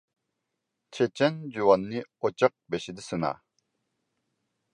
چېچەن جۇۋاننى ئوچاق بېشىدا سىنا.